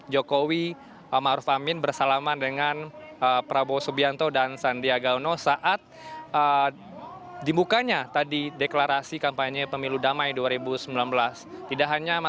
jokowi ma'ruf amin bersalaman dengan prabowo subianto dan sandiaga uno saat dibukanya tadi deklarasi kampanye pemilu dama